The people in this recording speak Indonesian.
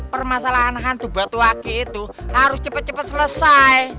permasalahan hantu batu aki itu harus cepet cepet selesai